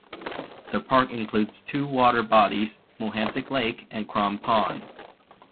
The park includes two water bodies, Mohansic Lake and Crom Pond.